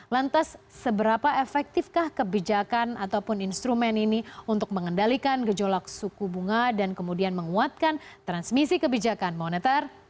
lantas seberapa efektifkah kebijakan ataupun instrumen ini untuk mengendalikan gejolak suku bunga dan kemudian menguatkan transmisi kebijakan moneter